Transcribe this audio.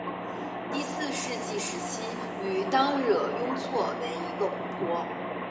第四纪时期与当惹雍错为一个湖泊。